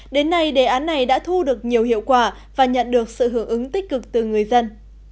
đến nay đề án này đã thu được nhiều hiệu quả và nhận được sự hưởng ứng tích cực từ người dân